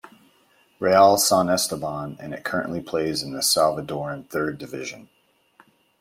Real San Esteban and it currently plays in the Salvadoran Third Division.